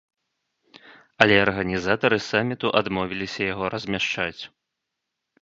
Але арганізатары саміту адмовіліся яго размяшчаць.